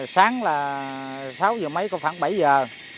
sáng là sáu giờ mấy khoảng bảy giờ